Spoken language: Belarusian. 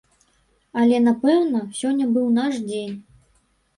Але, напэўна, сёння быў наш дзень.